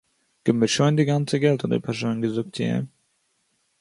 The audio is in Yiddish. גיב מיר שוין די גאנצע געלט האט דער פארשוין געזאגט צו אים